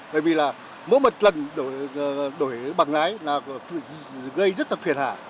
bởi vì là mỗi một lần đổi bằng lái là gây rất là phiền hạ